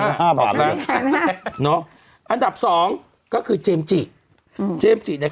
สามสามสามห้าบาทอันดับสองก็คือเจมส์จิอืมเจมส์จิเนี้ย